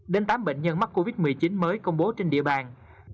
đến tám bệnh nhân mắc covid một mươi chín mới công bố trên địa bàn